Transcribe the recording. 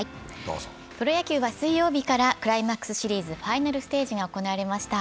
プロ野球は水曜日からクライマックスシリーズファイナルステージが行われました。